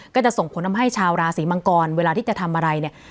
ก็จะส่งผลทำให้ชาวราศีมังกรเวลาที่จะทำอะไรเนี่ย